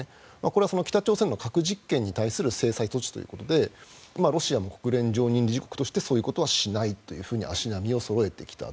これは北朝鮮の核実験に対する制裁措置ということでロシアも国連常任理事国としてそういうことはしないと足並みをそろえてきた。